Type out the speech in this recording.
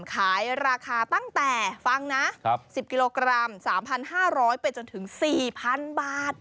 ขายราคาตั้งแต่ฟังนะ๑๐กิโลกรัม๓๕๐๐ไปจนถึง๔๐๐๐บาท